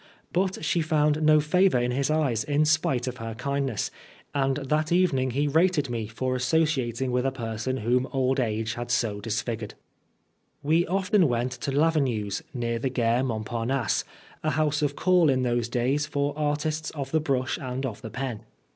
But she found no favour in his eyes in spite of her kind ness, and that evening he rated me for associating with a person whom old age had so disfigured. 65 5 Oscar Wilde We often went to Lavenue's, near the Gare Montparnasse, a house of call in those days for artists of the brush and of the pen.